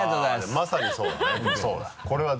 まさにそうだね